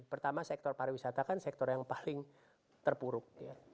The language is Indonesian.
pertama sektor pariwisata kan sektor yang paling terpuruk